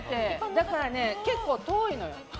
だから結構、遠いのよ。